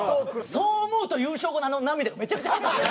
そう思うと優勝後のあの涙がめちゃくちゃ。